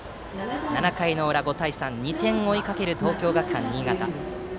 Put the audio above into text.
７回の裏、５対３２点を追いかける東京学館新潟。